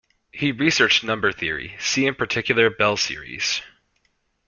He researched number theory; see in particular Bell series.